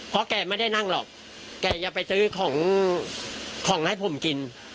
เพราะแกไม่ได้นั่งหรอกแกจะไปซื้อของของให้ผมกิน